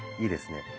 いいですね。